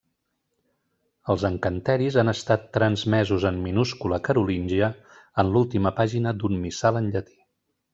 Els encanteris han estat transmesos en minúscula carolíngia en l'última pàgina d'un missal en llatí.